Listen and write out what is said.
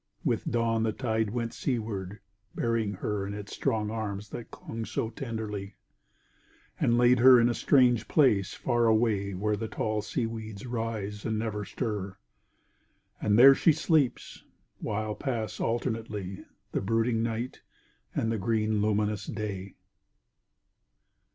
With dawn the tide went seaward, bearing her In its strong arms that clung so tenderly, And laid her in a strange place far away Where the tall seaweeds rise and never stir.... And there she sleeps, while pass alternately The brooding night and the green luminous day.